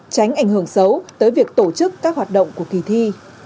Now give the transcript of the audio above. tránh ảnh hưởng xấu tới việc tổ chức các hoạt động của kỳ thi